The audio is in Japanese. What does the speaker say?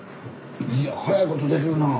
いや早いことできるなあ。